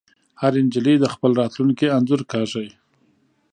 هرې نجلۍ د خپل راتلونکي انځور کاږه